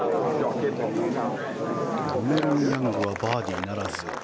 キャメロン・ヤングはバーディーならず。